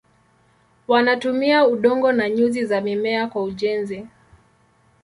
Wanatumia udongo na nyuzi za mimea kwa ujenzi.